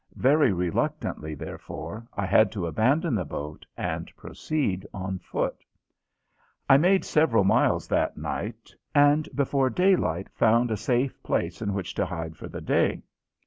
Very reluctantly, therefore, I had to abandon the boat and proceed on foot. I made several miles that night and before daylight found a safe place in which to hide for the day.